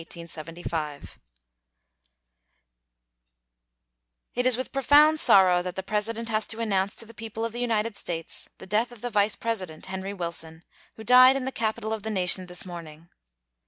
It is with profound sorrow that the President has to announce to the people of the United States the death of the Vice President, Henry Wilson, who died in the Capitol of the nation this morning.